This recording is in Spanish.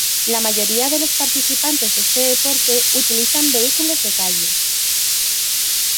La mayoría de los participantes de este deporte utilizan vehículos de calle.